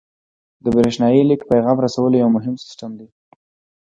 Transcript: د بریښنایي لیک پیغام رسولو یو مهم سیستم دی.